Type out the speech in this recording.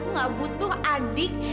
aku gak butuh adik